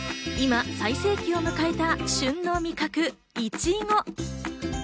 今、最盛期を迎えた旬の味覚、いちご。